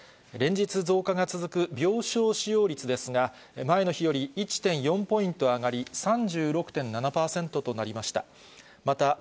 連日、増加が続く病床使用率ですが、前の日より１．４ポイント上がり、３６．７％となりました。